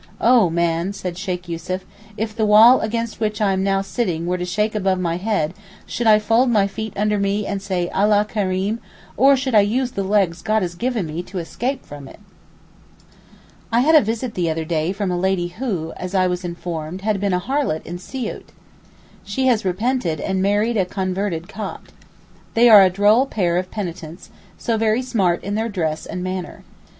'Oh, man,' said Sheykh Yussuf, 'if the wall against which I am now sitting were to shake above my head, should I fold my feet under me and say Allah kereem, or should I use the legs God has given me to escape from it?' I had a visit the other day from a lady who, as I was informed, had been a harlot in Siout. She has repented, and married a converted Copt. They are a droll pair of penitents, so very smart in their dress and manner.